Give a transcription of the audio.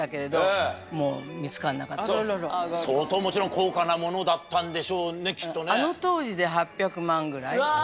相当もちろん高価なものだったんでしょうねきっとね。